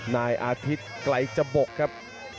นายอาทิตย์ไกลจบกครับ